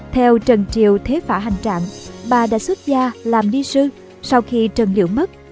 theo trần triều thế phả hành trạng bà đã xuất ra làm đi sư sau khi trần liễu mất